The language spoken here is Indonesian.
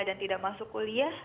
dan tidak masuk kuliah